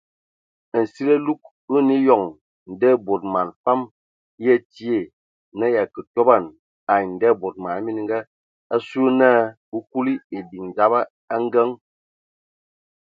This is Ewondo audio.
Nsili alug o nə eyɔŋ nda bod man fam ya tie na ya kə toban ai ndabod man mininga asu ye na bə kuli ediŋ dzaba a ngəŋ.